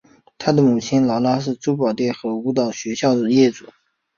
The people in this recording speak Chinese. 她的母亲劳拉是珠宝店和舞蹈学校的业主。